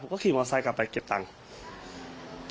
ผมก็ขย์มอร์ไซด์กลับไปเก็บตังค์